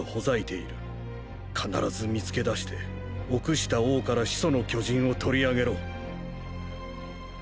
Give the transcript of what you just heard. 必ず見つけ出して臆した王から「始祖の巨人」を取り上げろ。